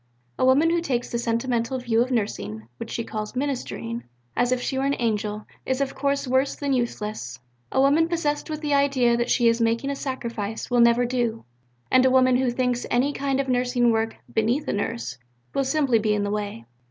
"A woman who takes the sentimental view of Nursing (which she calls 'ministering,' as if she were an angel) is of course worse than useless; a woman possessed with the idea that she is making a sacrifice will never do; and a woman who thinks any kind of Nursing work 'beneath a Nurse' will simply be in the way."